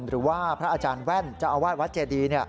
หรือว่าพระอาจารย์แว่นเจ้าอาวาสวัดเจดี